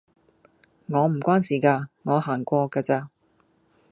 我唔關事㗎，我行過㗎咋